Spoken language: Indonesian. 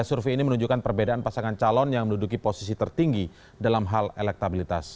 survei ini menunjukkan perbedaan pasangan calon yang menduduki posisi tertinggi dalam hal elektabilitas